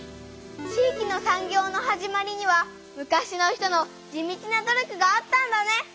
地域の産業の始まりには昔の人の地道な努力があったんだね！